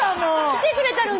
来てくれたのに？